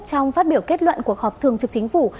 trong phát biểu kết luận cuộc họp thường trực chính phủ